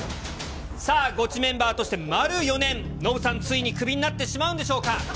さあ、ゴチメンバーとして丸４年、ノブさん、ついにクビになってしまうんでしょうか。